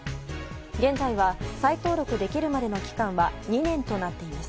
現在は再登録できるまでの期間は２年となっています。